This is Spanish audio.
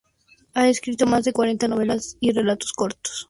Ha escrito más de cuarenta novelas y relatos cortos.